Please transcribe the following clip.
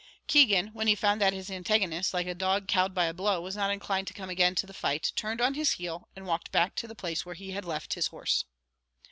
Keegan, when he found that his antagonist, like a dog cowed by a blow, was not inclined to come again to the fight, turned on his heel, and walked back to the place where he had left his horse.